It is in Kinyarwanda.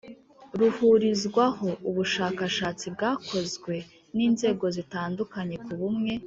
Ruhurizwaho ubushakashatsi bwakozwe n inzego zitandukanye ku bumwe